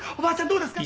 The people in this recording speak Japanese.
どうですか？」